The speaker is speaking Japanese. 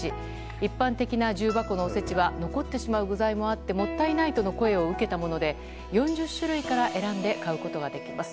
一般的な重箱のおせちは残ってしまう具材もあってもったいないとの声も受けたもので４０種類から選んで買うことができます。